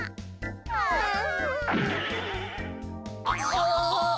ああ。